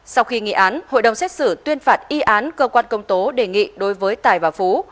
sau khi nghị án hội đồng xét xử tuyên phạt y án cơ quan công tố đề nghị đối với tài và phú